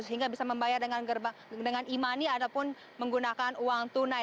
sehingga bisa membayar dengan imani ataupun menggunakan uang tunai